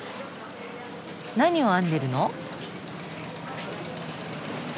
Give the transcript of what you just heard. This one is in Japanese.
何を編んでるの？